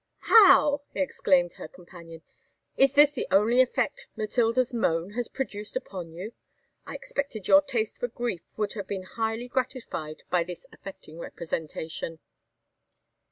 "How!" exclaimed her companion, "is this the only effect 'Matilda's moan' has produced upon you? I expected your taste for grief would have been highly gratified by this affecting representation."